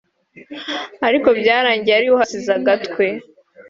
ariko byarangiye ariwe uhasize agatwe